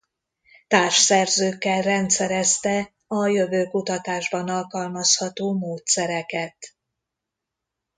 Társszerzőkkel rendszerezte a jövőkutatásban alkalmazható módszereket.